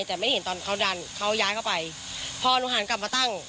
แต่ไม่เห็นตอนเขาดันเขาย้ายเข้าไปพอหนูหันกลับมาตั้ง